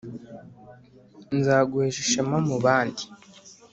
nzaguhesha ishema mubandi